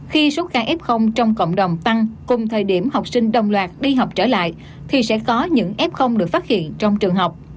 khi số ca f trong cộng đồng tăng cùng thời điểm học sinh đồng loạt đi học trở lại thì sẽ có những f được phát hiện trong trường học